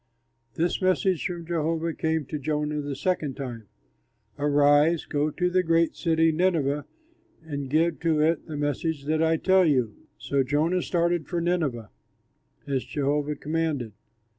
This message from Jehovah came to Jonah the second time, "Arise, go to that great city, Nineveh, and give to it the message that I tell you." So Jonah started for Nineveh, as Jehovah commanded.